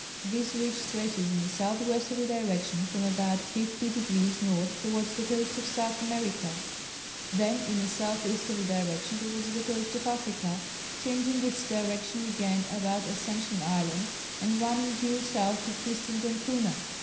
This ridge stretches in a south westerly direction from about fifty degrees north towards the coast of South America, then in a south easterly direction towards the coast of Africa, changing its direction again about Ascension Island, and running due south to Tristan d'Acunha.